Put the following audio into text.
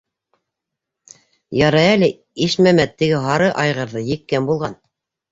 - Ярай әле Ишмәмәт теге һары айғырҙы еккән булған!